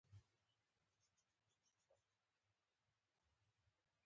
چې د لوړو چارواکو لخوا مهر او ټاپه شوی وي